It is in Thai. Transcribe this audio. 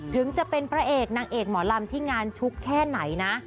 ถึงจะเป็นพระเอกนางเอกหมอลำที่งานชุกแค่ไหนนะ